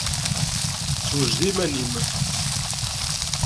Sewjed iman-im.